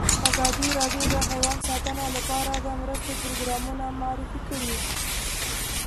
ازادي راډیو د حیوان ساتنه لپاره د مرستو پروګرامونه معرفي کړي.